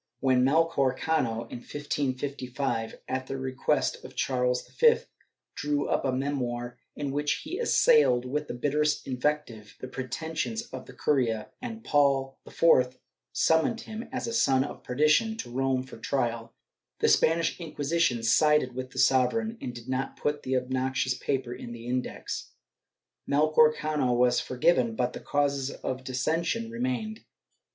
When Melchor Cano, in 1555, at the request of Charles V, drew up a memoir in which he assailed, with the bitterest invective, the pretensions of the curia, and Paul IV summoned him, as a son of perdition, to Rome for trial, the Spanish Inquisition sided with the sovereign and did not put the obnoxious paper in the Index.* Melchor Cano was forgiven, but the causes of dissension remained.